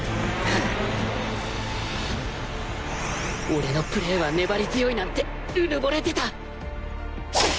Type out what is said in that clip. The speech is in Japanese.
俺のプレーは粘り強いなんてうぬぼれてた